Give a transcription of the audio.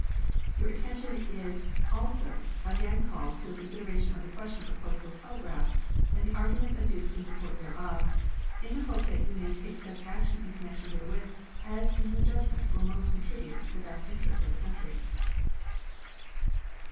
Your attention is also again called to a consideration of the question of postal telegraphs and the arguments adduced in support thereof, in the hope that you may take such action in connection therewith as in your judgment will most contribute to the best interests of the country.